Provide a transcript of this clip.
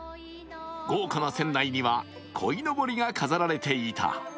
豪華な船内には、こいのぼりが飾られていた。